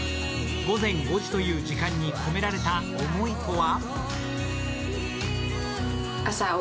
午前５時という時間に込められた思いとは？